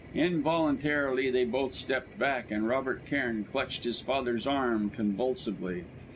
Involuntarily they both stepped back, and Robert Cairn clutched his father's arm convulsively.